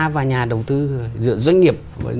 và nhà đầu tư giữa doanh nghiệp